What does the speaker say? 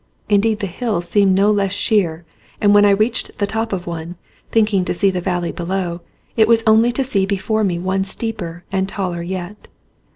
Indeed the hills seemed no less sheer and when I reached the top of one, thinking to see the valley below, it was only to see before me one steeper and taller yet.